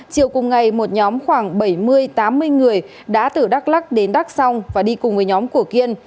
chiều cùng ngày một nhóm khoảng bảy mươi tám mươi người đã từ đắc lắc đến đắc song và đi cùng với nhóm của kiên